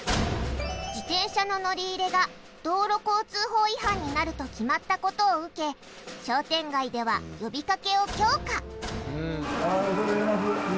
自転車の乗り入れが道路交通法違反になると決まったことを受け商店街では呼びかけを強化恐れ入ります。